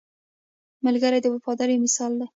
ملګری د وفادارۍ مثال دی